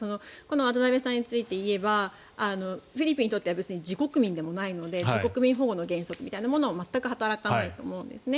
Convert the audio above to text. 渡邉容疑者についていえばフィリピンは自国民ではないので自国民保護の原則みたいなものは全く働かないと思うんです。